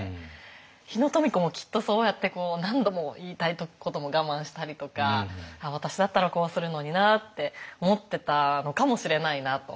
日野富子もきっとそうやって何度も言いたいことも我慢したりとか私だったらこうするのになって思ってたのかもしれないなと。